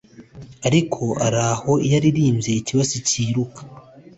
Ariko araho iyo aririmbye ikibatsi kiruka